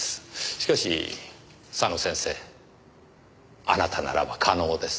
しかし佐野先生あなたならば可能です。